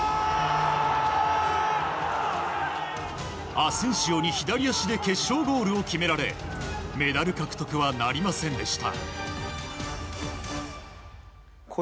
アセンシオに左足で決勝ゴールを決められメダル獲得はなりませんでした。